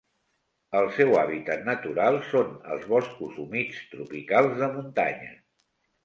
El seu hàbitat natural són els boscos humits tropicals de muntanya.